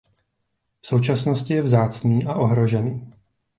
V současnosti je vzácný a ohrožený.